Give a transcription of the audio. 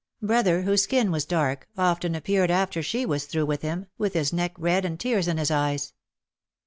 Brother, whose skin was dark, often appeared, after she was through with him, with his neck red and tears in his eyes.